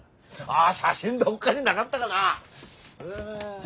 あ写真どっかにながったがなぁ。